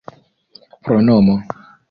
pronomo